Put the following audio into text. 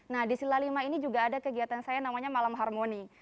nah di sila lima ini juga ada kegiatan saya namanya malam harmoni